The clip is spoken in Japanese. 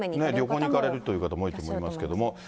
旅行に行かれるという方も多いと思いますけど。